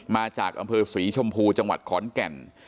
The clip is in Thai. มาจากอำเภอศรีชมพูจังหวัดขอนแก่น